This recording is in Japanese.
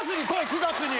９月に。